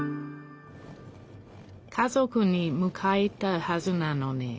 家族にむかえたはずなのに。